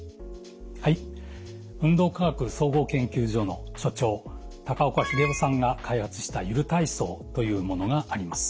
はい運動科学総合研究所の所長高岡英夫さんが開発したゆる体操というものがあります。